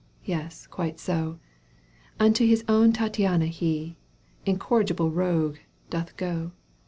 Yes, quite so ! Unto his own Tattiana he, V' Incorrigible rogue, doth go.